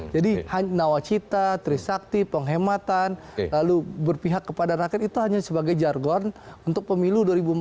jadi nawacita trisakti penghematan lalu berpihak kepada rakyat itu hanya sebagai jargon untuk pemilu dua ribu empat belas